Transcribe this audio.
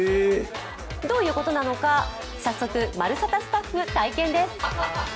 どういうことなのか、早速、「まるサタ」スタッフ体験です。